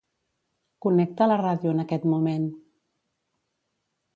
Connecta la ràdio en aquest moment.